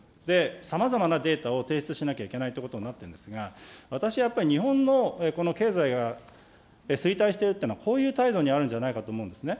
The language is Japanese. さまざまなデータを提出しなきゃいけないということになってるんですが、私はやっぱり、日本のこの経済が衰退しておるというのは、こういう態度にあるんじゃないかと思うんですね。